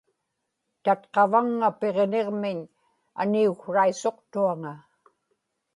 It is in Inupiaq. tatqavaŋŋa Piġniġmiñ aniuksraisuqtuaŋa